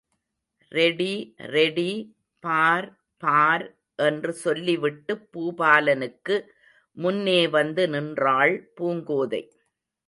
Ready, ready, பார், பார் என்று சொல்லி விட்டுப் பூபாலனுக்கு முன்னே வந்து நின்றாள் பூங்கோதை.